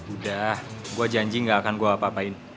udah gue janji gak akan gue apa apain